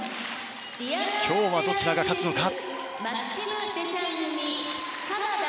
今日はどちらが勝つのか。